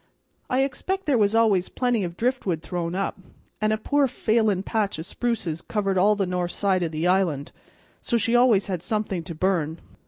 "I expect there was always plenty of driftwood thrown up, and a poor failin' patch of spruces covered all the north side of the island, so she always had something to burn.